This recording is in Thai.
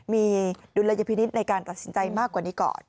มีดุลยพินิษฐ์ในการตัดสินใจมากกว่านี้ก่อน